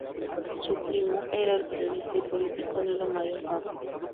Su primo era el periodista y político Nilo María Fabra.